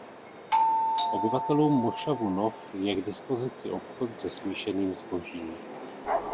Obyvatelům mošavu Nov je k dispozici obchod se smíšeným zbožím.